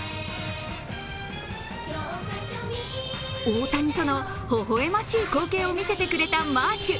大谷とのほほ笑ましい光景を見せてくれたマーシュ。